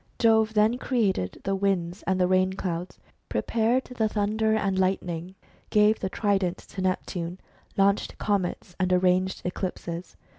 Jove then created the winds and the rain clouds, pre pared the thunder and lightning, gave the trident to Neptune, launched comets, and arranged eclipses.